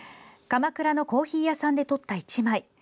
鎌倉のコーヒー屋さんで撮った１枚。